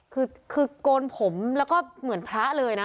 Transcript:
คือโกนผมแล้วก็เหมือนพระเลยนะ